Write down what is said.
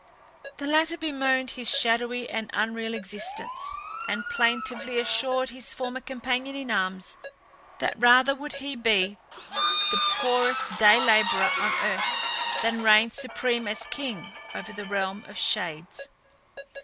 The latter bemoaned his shadowy and unreal existence, and plaintively assured his former companion in arms that rather would he be the poorest day labourer on earth than reign supreme as king over the realm of shades.